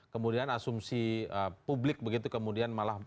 kemudian asumsi publik begitu kemudian malah